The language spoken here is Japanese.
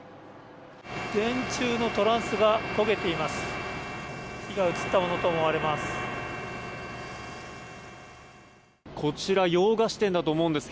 電柱のトランスが焦げています。